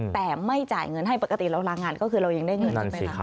แต่ไม่จ่ายเงินให้ปกติเราลางานก็คือเรายังได้เงินใช่ไหมคะ